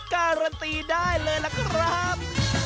การันตีได้เลยล่ะครับ